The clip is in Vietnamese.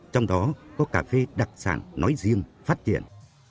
trong đó có cà phê đặc sản nói riêng phát triển